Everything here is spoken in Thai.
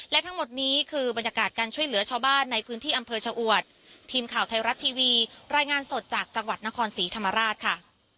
และทั้งหมดนี้คือบรรยากาศการช่วยเหลือชาวบ้านในพื้นที่อำเภอชะอวดทีมข่าวไทยรัฐทีวีรายงานสดจากจังหวัดนครศรีธรรมราชค่ะ